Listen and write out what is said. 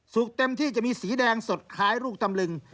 สูกเต็มที่จะมีสีแดงสดขายรูปตำลึง